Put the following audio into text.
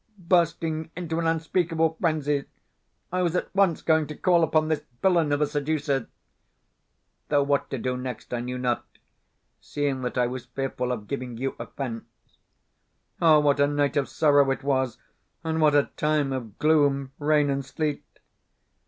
Bursting into an unspeakable frenzy, I was at once going to call upon this villain of a seducer though what to do next I knew not, seeing that I was fearful of giving you offence. Ah, what a night of sorrow it was, and what a time of gloom, rain, and sleet!